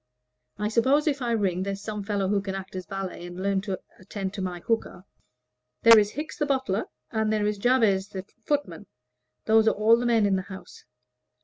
I suppose if I ring there's some fellow who can act as valet and learn to attend to my hookah?" "There is Hickes the butler, and there is Jabez the footman; those are all the men in the house.